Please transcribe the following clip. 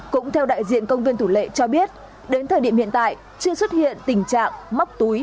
cũng theo đại diện công viên thủ lệ cho biết đến thời điểm hiện tại chưa xuất hiện tình trạng móc túi